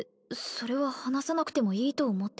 それは話さなくてもいいと思って